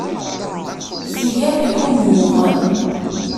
Tga-d umuɣ.